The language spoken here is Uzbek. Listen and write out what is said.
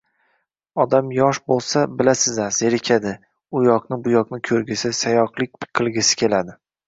Odam yosh bo`lsa, bilasizlar, zerikadi, uyoqni bu yoqni ko`rgisi, sayoqlik qilgisi keladi